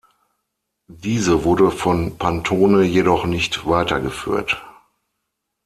Diese wurde von Pantone jedoch nicht weitergeführt.